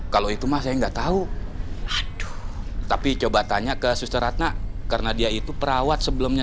kalau itu mah saya nggak tahu aduh tapi coba tanya ke suster ratna karena dia itu perawat sebelumnya